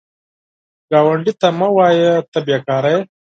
ګاونډي ته مه وایه “ته بېکاره یې”